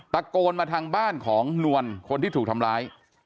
ตะโกนมาทางบ้านของนวลคนที่ถูกทำร้าย